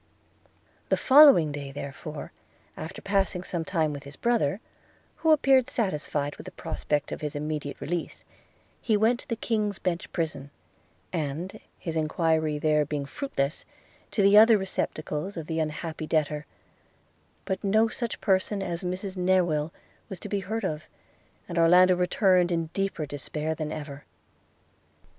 The following day, therefore, after passing some time with his brother, who appeared satisfied with the prospect of his immediate release, he went to the King's Bench prison, and, his enquiry there being fruitless, to the other receptacles of the unhappy debtor; but no such person as a Mrs Newill was to be heard of, and Orlando returned in deeper despair than ever.